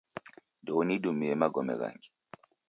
Ndeunidumie magome ghangi